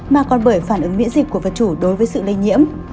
mà còn bởi phản ứng miễn dịch của vật chủ đối với sự lây nhiễm